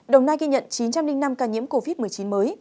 đồng nai ghi nhận chín trăm linh năm ca nhiễm covid một mươi chín mới